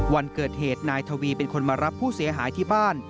วันเกิดเหตุนายทวีเป็นคนมารับผู้เสียหายที่บ้าน